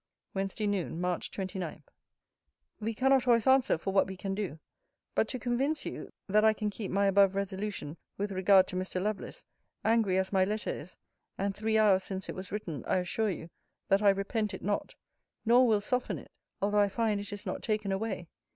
WEDNESDAY NOON, MARCH 29. We cannot always answer for what we can do: but to convince you, that I can keep my above resolution, with regard to Mr. Lovelace, angry as my letter is, and three hours since it was written, I assure you, that I repent it not; nor will soften it, although I find it is not taken away.